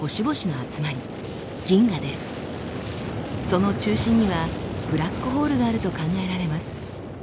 その中心にはブラックホールがあると考えられます。